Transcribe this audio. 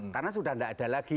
karena sudah nggak ada lagi